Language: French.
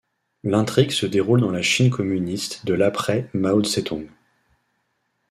L'intrigue se déroule dans la Chine communiste de l'après Mao Zedong.